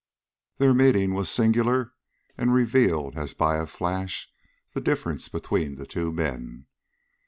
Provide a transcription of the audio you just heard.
Their meeting was singular, and revealed, as by a flash, the difference between the two men.